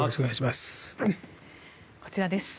こちらです。